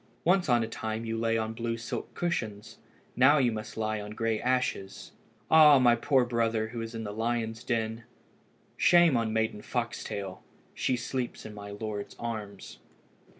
Once on a time you lay on blue silk cushions. Now you must lie on the grey ashes. Ah! my poor brother, who is in the lions' den! Shame on Maiden Foxtail! she sleeps in my lord's arms."